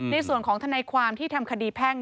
ในส่วนของธนายความที่ทำคดีแพ่ง